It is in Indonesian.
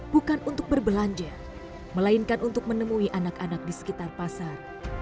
bukan untuk berbelanja melainkan untuk menemui anak anak di sekitar pasar